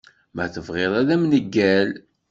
Ma tebɣiḍ ad am-neggal.